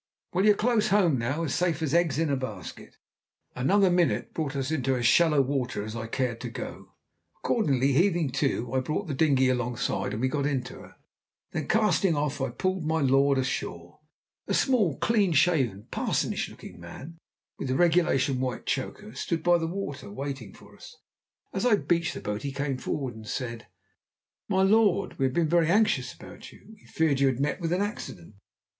"Well, you're close home now, and as safe as eggs in a basket." Another minute brought us into as shallow water as I cared to go. Accordingly, heaving to, I brought the dinghy alongside, and we got into her. Then casting off, I pulled my lord ashore. A small, clean shaven, parsonish looking man, with the regulation white choker, stood by the water waiting for us. As I beached the boat he came forward and said: "My lord, we have been very anxious about you. We feared you had met with an accident."